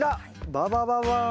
ババババン。